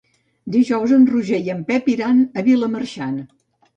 Dijous en Roger i en Pep iran a Vilamarxant.